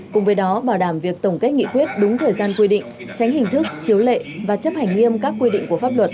cùng với đó bảo đảm việc tổng kết nghị quyết đúng thời gian quy định tránh hình thức chiếu lệ và chấp hành nghiêm các quy định của pháp luật